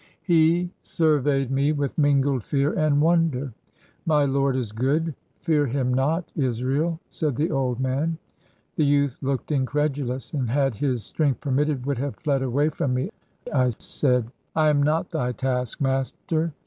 He surveyed me with mingled fear and wonder. "My lord is good, fear him not, Israel," said the old man. The youth looked incredulous, and, had his strength permitted, would have fled away from me. I said :—" I am not thy taskmaster